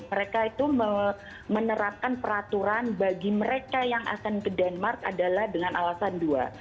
mereka itu menerapkan peraturan bagi mereka yang akan ke denmark adalah dengan alasan dua